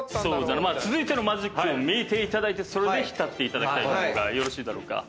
続いてのマジックを見ていただいて浸っていただきたいと思うがよろしいだろうか。